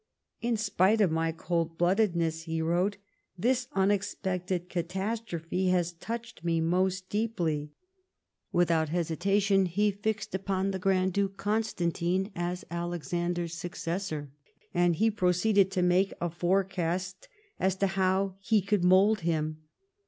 In spite of my coldbloodedness," he wrote, " this unex pected catastrophe has touched me most deeply." Without GOVEBNMENT BY REPBESSION. 1G5 hesitation he fixed ujjon the Grand Duke Constantine as Alexander's successor, and he proceeded to make a fore cast as to how he could mould him.